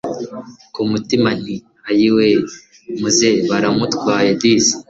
kumutima nti aiyweee muzehe baramutwaye disi